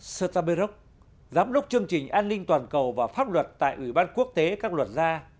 sertaberrov giám đốc chương trình an ninh toàn cầu và pháp luật tại ủy ban quốc tế các luật gia